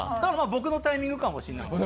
僕のタイミングかもしれない。